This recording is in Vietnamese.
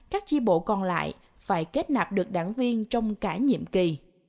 các chi bộ còn lại phải kết nạp được đảng viên trong cả nhiệm kỳ